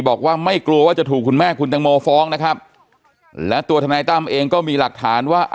บอกว่าไม่กลัวว่าจะถูกคุณแม่คุณตังโมฟ้องนะครับและตัวทนายตั้มเองก็มีหลักฐานว่า